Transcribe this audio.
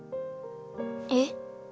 えっ？